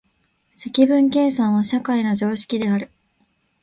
積分計算は社会の常識である。